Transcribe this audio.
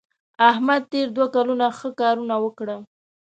احمد تېر دوه کلونه ښه کار ونه کړ.